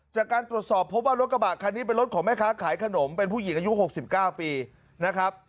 จากการตรวจสอบพบว่ารถกระบะคันนี้เป็นรถของแม่ค้าขายขนมเป็นผู้หญิงอายุ๖๙ปีนะครับ